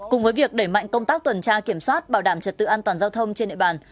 cùng với việc đẩy mạnh công tác tuần tra kiểm soát bảo đảm trật tự an toàn giao thông trên địa bàn